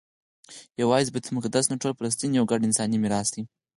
یوازې بیت المقدس نه ټول فلسطین یو ګډ انساني میراث دی.